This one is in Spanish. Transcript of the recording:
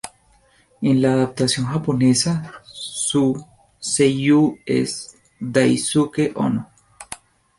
En la adaptación japonesa su "seiyū" es Daisuke Ono.